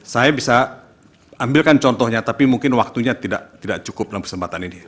saya bisa ambilkan contohnya tapi mungkin waktunya tidak cukup dalam kesempatan ini